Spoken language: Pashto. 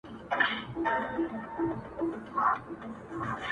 په يو تن كي سل سرونه سل غليمه!.